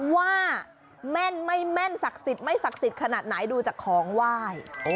ว่าแม่นไม่แม่นศักดิ์สิทธิ์ไม่ศักดิ์สิทธิ์ขนาดไหนดูจากของไหว้